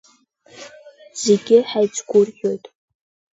Зегьы ҳаицгәырӷьоит.